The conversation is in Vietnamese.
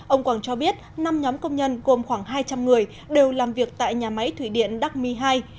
ông quảng cho biết năm nhóm công nhân gồm khoảng hai trăm linh người đều làm việc tại nhà máy thủy điện đắc mi hai